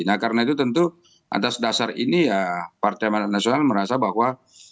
nah karena itu tentu atas dasar ini ya partai manat nasional merasa bahwa